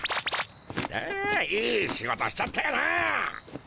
あいい仕事しちゃったよな。